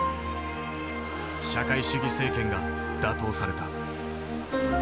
社会主義政権が打倒された。